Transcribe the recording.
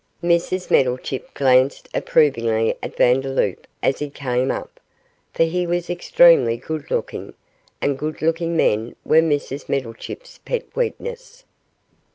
Mrs Meddlechip glanced approvingly at Vandeloup as he came up, for he was extremely good looking, and good looking men were Mrs Meddlechip's pet weakness.